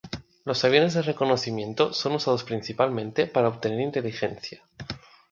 Los aviones de reconocimiento son usados principalmente para obtener inteligencia.